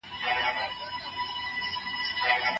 آيا په ټيټه کچه ژوند کي هم پرمختيا راتلاى سي؟